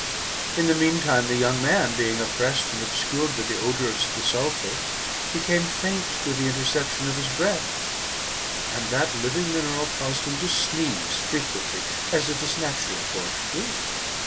In the meantime the young man being oppressed and obscured by the odour of the sulphur, became &int through the interception of his breath; and that living mineral caused him to sneeze frequently, as it is natural for it to do.